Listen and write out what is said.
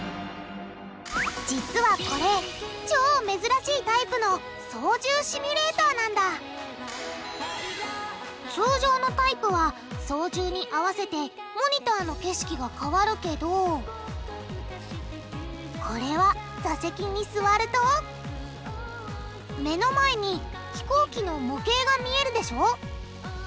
実はこれ超珍しいタイプの操縦シミュレーターなんだ通常のタイプは操縦に合わせてモニターの景色が変わるけどこれは座席に座ると目の前に飛行機の模型が見えるでしょ。